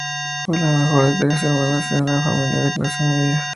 Fue la menor de tres hermanas en una familia de clase media.